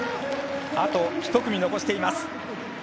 あと１組残しています。